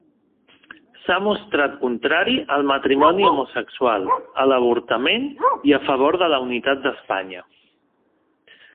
S'ha mostrat contrari al matrimoni homosexual, a l'avortament i a favor de la unitat d'Espanya.